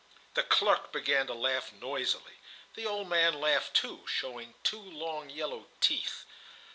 The clerk began to laugh noisily. The old man laughed too, showing two long yellow teeth.